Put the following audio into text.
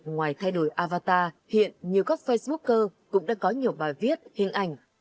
ngoài thay đổi avatar hiện nhiều góc facebooker cũng đã có nhiều bài viết hình ảnh